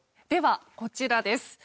ではこちらです。